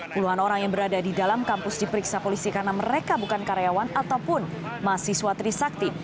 puluhan orang yang berada di dalam kampus diperiksa polisi karena mereka bukan karyawan ataupun mahasiswa trisakti